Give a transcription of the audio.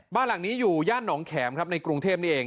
บ้านหลังนี้อยู่ย่านหนองแขมครับในกรุงเทพนี่เอง